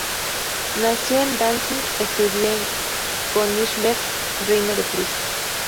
Nació en Danzig; estudió en Königsberg, Reino de Prusia.